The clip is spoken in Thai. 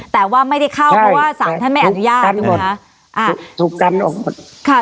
แต่ว่าไม่ได้เข้าเพราะว่าสารท่านไม่อนุญาตถูกไหมคะอ่าถูกกันออกหมดค่ะ